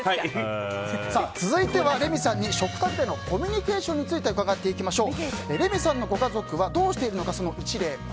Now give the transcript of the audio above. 続いてはレミさんに食卓でのコミュニケーションについて伺っていきましょう。